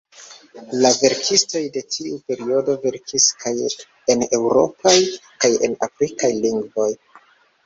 La verkistoj de tiu periodo verkis kaj en eŭropaj kaj en afrikaj lingvoj.